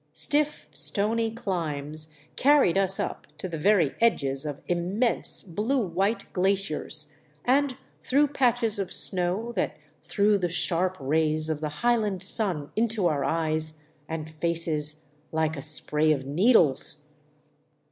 Stiff, stony climbs carried us up to the 305 VAGABONDING DOWN THE ANDES very edges of immense blue white glaciers, and through patches of snow that threw the sharp rays of the highland sun into our eyes and faces like a spray of needles.